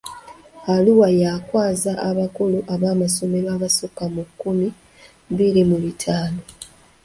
Arua ya kwaza abakulu b'amasomero abasukka mu nkumi bbiri mu bitaano.